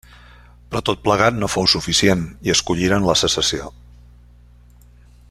Però tot plegat no fou suficient i escolliren la secessió.